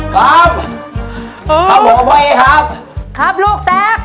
ครับครับผมพ่อเอ๊ครับครับลูกแซค